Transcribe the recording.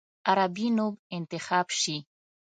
عربي نوم انتخاب شي.